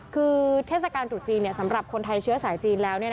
คือเทศกาลตรุษจีนสำหรับคนไทยเชื้อสายจีนแล้ว